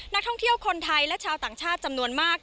นักท่องเที่ยวคนไทยและชาวต่างชาติจำนวนมาก